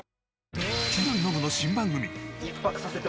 千鳥ノブの新番組。